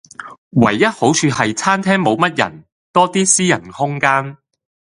唯一好處係餐廳無乜人，多啲私人空間